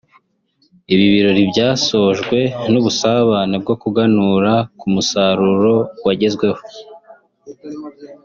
Ibi birori byasojwe n’ubusabane bwo kuganura ku musaruro wagezweho